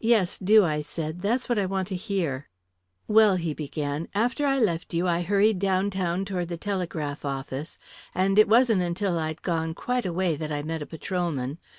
"Yes, do," I said. "That's what I want to hear." "Well," he began, "after I left you, I hurried downtown toward the telegraph office, and it wasn't until I'd gone quite a way that I met a patrolman.